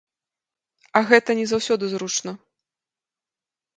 А гэта не заўсёды зручна.